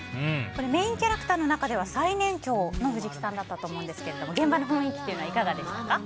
メインキャラクターの中では最年長の藤木さんだったと思うんですが現場の雰囲気はいかがでしたか？